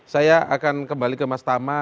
saya akan kembali ke mas tama